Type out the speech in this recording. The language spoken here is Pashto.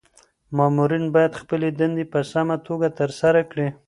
مامورین باید خپلي دندي په سمه توګه ترسره کړي.